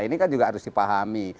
ini kan juga harus dipahami